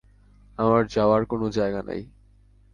আমার যাওয়ার কোন জায়গা নাই!